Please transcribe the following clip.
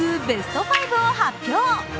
ベスト５を発表。